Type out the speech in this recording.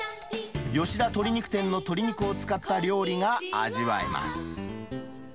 吉田鶏肉店の鶏肉を使った料理が味わえます。